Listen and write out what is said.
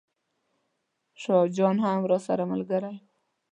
شاه جان هم راسره ملګری و.